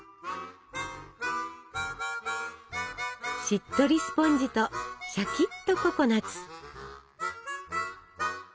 しっとりスポンジとしゃきっとココナツ。